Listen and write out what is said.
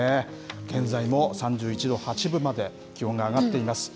現在も３１度８分まで気温が上がっています。